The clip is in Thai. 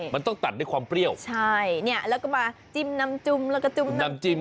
มันต้องตัดด้วยความเปรี้ยวใช่เนี่ยแล้วก็มาจิ้มน้ำจุ้มแล้วก็จุ้มน้ำจิ้ม